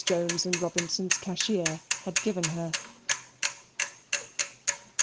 Jones and Robinson's cashier had given her.